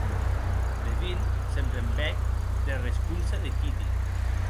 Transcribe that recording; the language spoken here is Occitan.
Levin se'n brembèc dera responsa de Kitty.